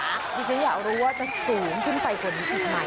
ก็จะอยากรู้ว่าจะสูงขึ้นไปก่อนอีกไหม